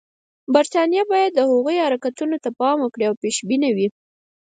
برټانیه باید د هغوی حرکتونو ته پام وکړي او پېشبینه وي.